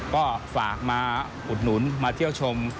ก็ฝากมาอุดหนุนมาเที่ยวชม